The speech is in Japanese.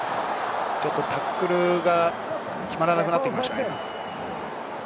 ちょっとタックルが決まらなくなってきましたね。